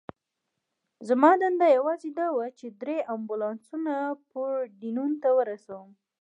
زما دنده یوازې دا وه، چې درې امبولانسونه پورډینون ته ورسوم.